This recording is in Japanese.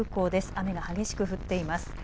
雨が激しく降っています。